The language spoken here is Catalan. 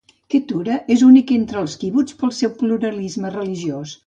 Ketura és únic entre els kibbutz pel seu pluralisme religiós.